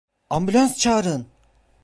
Ambulans çağırın!